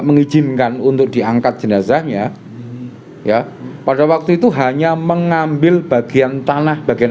mengizinkan untuk diangkat jenazahnya ya pada waktu itu hanya mengambil bagian tanah bagian